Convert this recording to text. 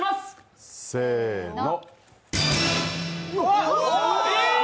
せーの。